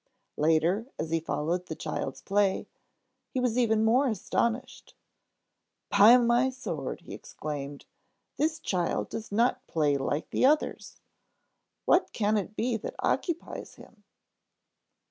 Later, as he followed the child's play, he was even more astonished. "By my sword!" he exclaimed, "this child does not play like the others. What can it be that occupies him?"